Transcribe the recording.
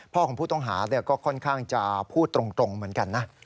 ของผู้ต้องหาก็ค่อนข้างจะพูดตรงเหมือนกันนะ